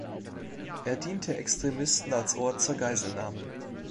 Er diente Extremisten als Ort zur Geiselnahme.